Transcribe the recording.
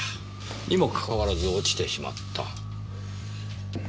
にもかかわらず落ちてしまった。